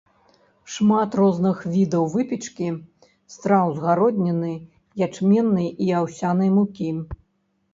Шмат розных відаў выпечкі, страў з гародніны, ячменнай і аўсянай мукі.